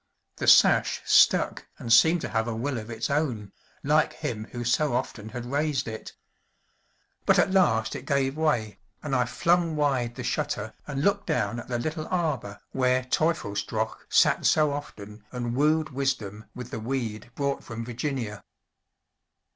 The sash stuck and seemed to have a will of its own, like him who so often had raised it. But at last it gave way and I flung wide the shutter and looked down at the little arbor where Teufelsdrockh sat so often and wooed wisdom with the weed brought from Virginia.